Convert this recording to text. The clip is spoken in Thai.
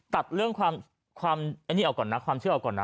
ตัดเรื่องความอันนี้เอาก่อนนะความเชื่อเอาก่อนนะ